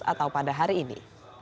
atau pada hari ini